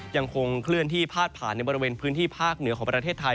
ยังคงเคลื่อนที่พาดผ่านในบริเวณพื้นที่ภาคเหนือของประเทศไทย